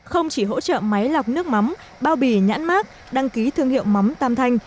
không chỉ hỗ trợ máy lọc nước mắm bao bì nhãn mát đăng ký thương hiệu mắm tam thanh